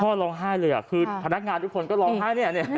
พ่อลงห้าเลยคือพนักงานทุกคนก็ลองห้า